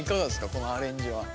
このアレンジは。